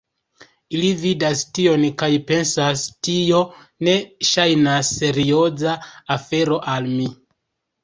Ili vidas tion kaj pensas "Tio ne ŝajnas serioza afero al mi"